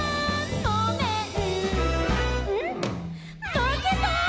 まけた」